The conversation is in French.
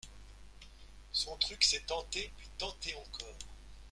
Son truc, c’est tenter, puis tenter encore.